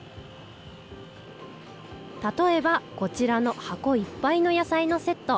例えばこちらの箱いっぱいの野菜のセット。